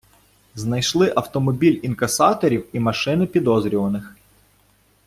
Знайшли автомобіль інкасаторів і машини підозрюваних.